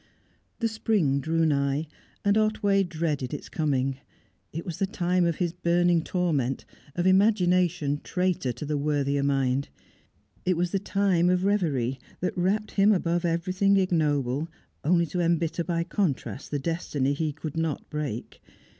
The spring drew nigh, and Otway dreaded its coming. It was the time of his burning torment, of imagination traitor to the worthier mind; it was the time of reverie that rapt him above everything ignoble, only to embitter by contrast the destiny he could not break.